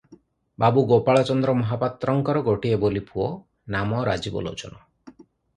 ବାବୁ ଗୋପାଳଚନ୍ଦ ମହାପାତ୍ରଙ୍କର ଗୋଟିଏ ବୋଲି ପୁଅ, ନାମ ରାଜୀବଲୋଚନ ।